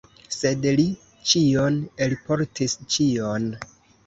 Sed li ĉion elportis, ĉion!